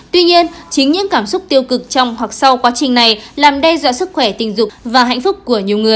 tuy nhiên chính những cảm xúc tiêu cực trong hoặc sau quá trình này làm đe dọa sức khỏe tình dục và hạnh phúc